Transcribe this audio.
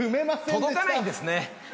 ◆届かないですね。